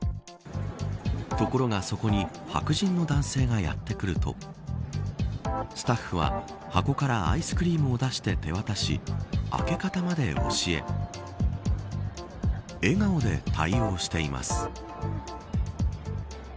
ところが、そこに白人の男性がやってくるとスタッフは箱からアイスクリームを出して手渡し開け方まで教え笑顔で対応しています。